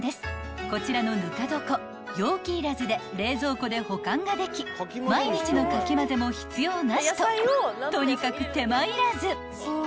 ［こちらのぬかどこ容器いらずで冷蔵庫で保管ができ毎日のかき混ぜも必要なしととにかく手間いらず］